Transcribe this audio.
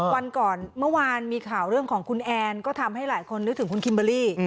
วันก่อนเมื่อวานมีข่าวเรื่องของคุณแอนก็ทำให้หลายคนนึกถึงคุณคิมเบอร์รี่